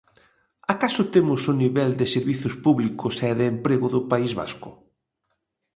¿Acaso temos o nivel de servizos públicos e de emprego do País Vasco?